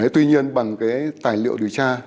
tuy nhiên bằng cái tài liệu điều tra